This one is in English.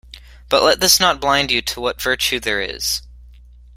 But let this not blind you to what virtue there is